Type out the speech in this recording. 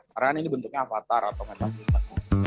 karena ini bentuknya avatar atau macam itu